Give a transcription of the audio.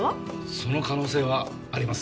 その可能性はあります。